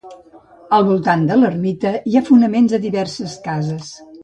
Al voltant de l'ermita hi ha fonaments de diverses cases.